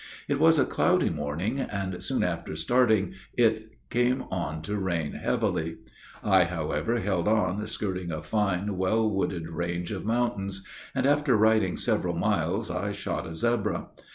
It was a cloudy morning, and soon after starting, it came on to rain heavily. I, however, held on, skirting a fine, well wooded range of mountains, and after riding several miles I shot a zebra.